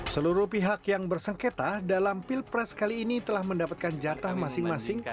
seluruh pihak yang bersengketa dalam pilpres kali ini telah mendapatkan jatah masing masing